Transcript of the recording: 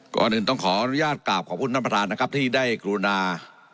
ก่อนอื่นต้องขออนุญาตกราบขอบคุณท่านประธานนะครับที่ได้กรุณา